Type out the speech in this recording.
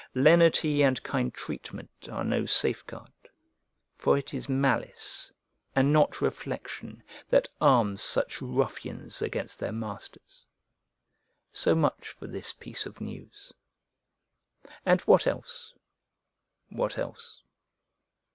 Lenity and kind treatment are no safeguard; for it is malice and not reflection that arms such ruffians against their masters. So much for this piece of news. And what else? What else?